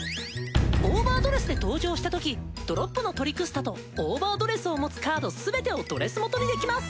オーバードレスで登場したときドロップのトリクスタとオーバードレスを持つカードすべてをドレス元にできます。